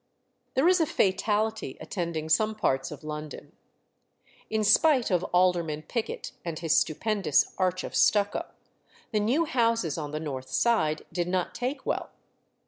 There is a fatality attending some parts of London. In spite of Alderman Pickett and his stupendous arch of stucco, the new houses on the north side did not take well.